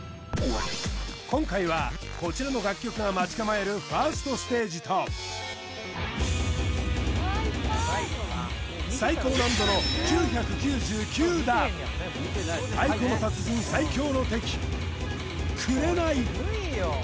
今回はこちらの楽曲が待ち構えるファーストステージと最高難度の９９９打太鼓の達人最強の敵「紅」